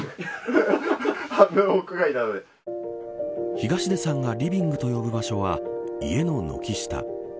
東出さんがリビングと呼ぶ場所は家の軒下。